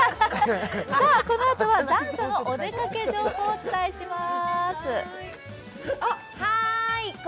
このあとは、残暑のお出かけ情報をお伝えします。